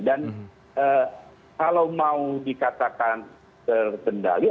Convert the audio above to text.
dan kalau mau dikatakan terkendali